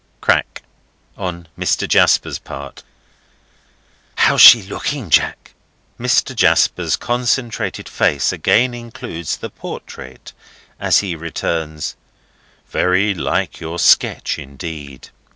Crack!—on Mr. Jasper's part. "How's she looking, Jack?" Mr. Jasper's concentrated face again includes the portrait as he returns: "Very like your sketch indeed."